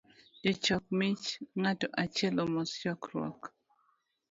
Jochok mich, ng’ato achiel omos chokruok